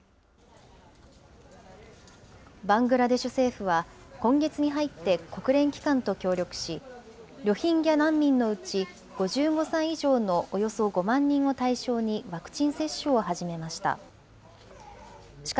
バングラデシュ政府は、今月に入って国連機関と協力し、ロヒンギャ難民のうち５５歳以上のおよそ５万人を対象にワクチン接種を始めました。